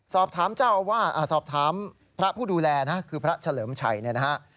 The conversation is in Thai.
สอบถามพระผู้ดูแลคือพระเฉลิมชัยนะฮะ